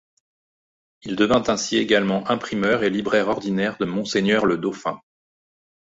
Il devint ainsi également imprimeur et libraire ordinaire de Monseigneur le Dauphin.